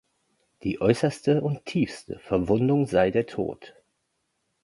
Die äußerste und tiefste Verwundung sei der Tod.